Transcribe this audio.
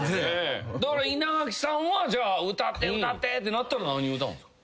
だから稲垣さんはじゃあ歌って歌ってってなったら何歌うんですか？